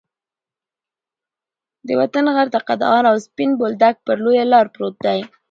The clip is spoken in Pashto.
د وط غر د قندهار او سپین بولدک پر لویه لار پروت دی.